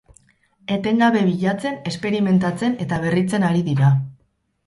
Etengabe bilatzen, esperimentatzen eta berritzen ari dira.